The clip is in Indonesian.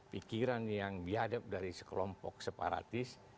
pikiran yang biadab dari sekelompok separatis